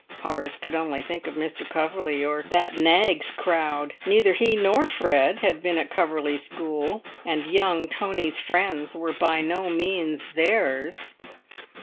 Horace could only think of Mr. Coverley or "that Knaggs crowd." Neither he nor Fred had been at Coverley's school, and young Tony's friends were by no means theirs.